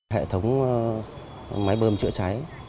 hệ thống máy bơm chữa cháy